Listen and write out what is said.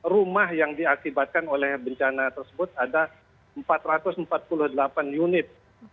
rumah yang diakibatkan oleh bencana tersebut ada empat ratus empat puluh delapan unit